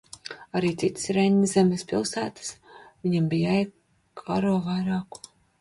Arī citas Reinzemes pilsētas viņam bija jāiekaro vairāku gadu laikā.